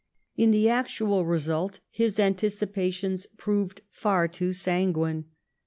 In the actual result his anticipa tions proved far too sanguine.